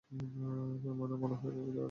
তাই আমার মনে হয় তুমি ভালোই করেছো।